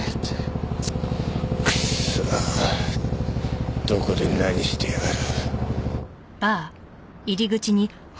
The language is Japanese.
クソどこで何してやがる？